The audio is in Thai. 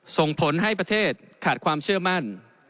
ส่งผลให้ประเทศขาดความเชื่อมั่น